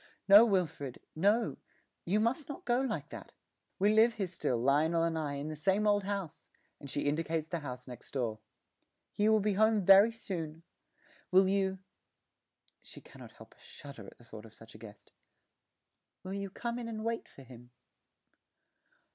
'No, Wilfred, no; you must not go like that. We live here still, Lionel and I, in the same old house,' and she indicates the house next door; 'he will be home very soon. Will you' (she cannot help a little shudder at the thought of such a guest) 'will you come in and wait for him?'